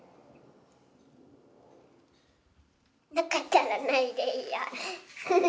なかったらないでいいよ。